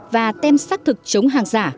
và tem xác thực chống hàng giả